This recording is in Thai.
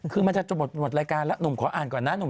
คือมันจะหมดรายการแล้วหนุ่มขออ่านก่อนนะหนุ่ม